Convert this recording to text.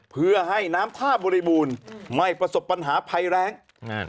เพื่อให้น้ำท่าบริบูรณ์ไม่ประสบปัญหาภัยแรงนั่น